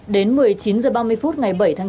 đến một mươi chín h ba mươi phút ngày bảy tháng chín